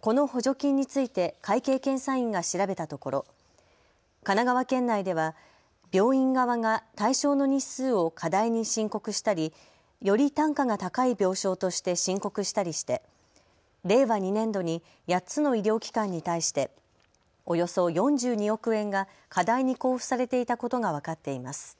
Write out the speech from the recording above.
この補助金について会計検査院が調べたところ神奈川県内では病院側が対象の日数を過大に申告したり、より単価が高い病床として申告したりして令和２年度に８つの医療機関に対しておよそ４２億円が過大に交付されていたことが分かっています。